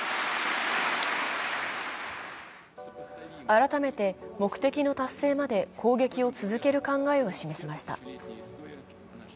改めて目的の達成まで攻撃を続ける考えを示しました。